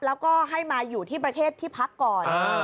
แล้วก็ให้มาอยู่ที่ประเทศที่พักก่อน